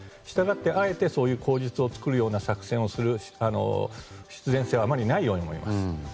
したがってあえてそういう口実を作る作戦をする必然性はあまりないように思います。